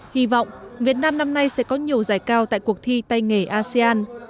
hy vọng việt nam năm nay sẽ có nhiều giải cao tại cuộc thi tay nghề asean